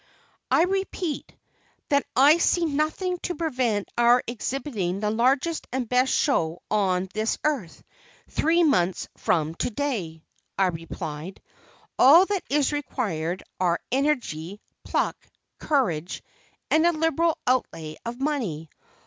"I repeat that I see nothing to prevent our exhibiting the largest and best show on this earth, three months from to day," I replied; "all that is required are energy, pluck, courage, and a liberal outlay of money.